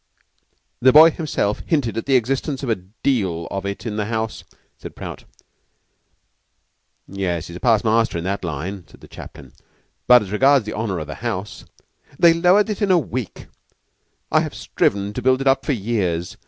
"The boy himself hinted at the existence of a deal of it in the house," said Prout. "He is past master in that line," said the chaplain. "But, as regards the honor of the house " "They lowered it in a week. I have striven to build it up for years.